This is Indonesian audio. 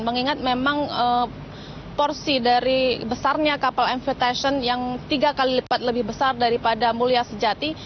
mengingat memang porsi dari besarnya kapal mvtation yang tiga kali lipat lebih besar daripada mulia sejati